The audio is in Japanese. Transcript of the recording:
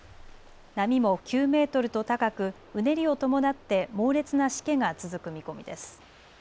波も９メートルと高くうねりを伴って猛烈なしけが続く見込みです。